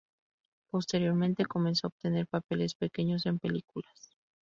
Posteriormente, comenzó a obtener papeles pequeños en películas.